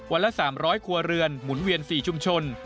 ละ๓๐๐ครัวเรือนหมุนเวียน๔ชุมชน